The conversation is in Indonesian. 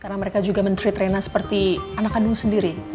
karena mereka juga men treat reina seperti anak anak sendiri